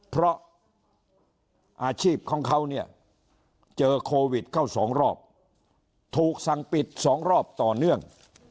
เพราะอาชีพของเขาเนี่ยเจอโควิดเข้าสองรอบถูกสั่งปิด๒รอบต่อเนื่อง